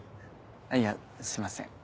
いやすいません。